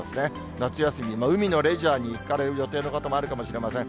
夏休み、海のレジャーに行かれる予定の方もあるかもしれません。